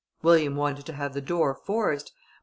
William wanted to have the door forced; but M.